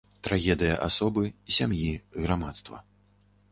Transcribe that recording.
Трагедыя асобы, сям'і, грамадства.